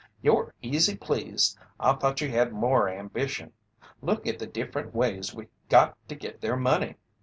"You're easy pleased I thought you had more ambition. Look at the different ways we got to git their money.